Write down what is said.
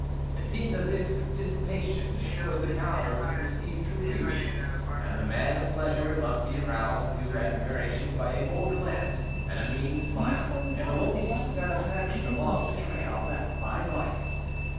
It seems as if dissipation destroyed the power to perceive true beauty, and the man of pleasure must be aroused to admiration by a bold glance and a meaning smile, and will only seek satisfaction along the trail left by vice.